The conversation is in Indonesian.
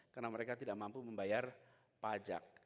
karena mereka tidak mampu membayar pajak